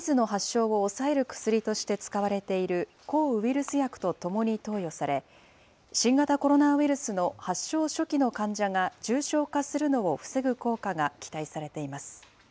この薬は、エイズの発症を抑える薬として使われている、抗ウイルス薬とともに投与され、新型コロナウイルスの発症初期の患者が重症化するのを防ぐ効果が期待されています。